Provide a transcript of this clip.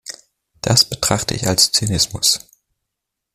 Das betrachte ich als Zynismus.